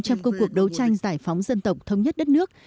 trong công cuộc đấu tranh giải phóng dân tộc thống nhất đất nước